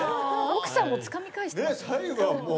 奥さんもつかみ返して。